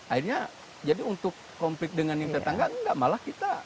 akhirnya jadi untuk konflik dengan yang tetangga enggak malah kita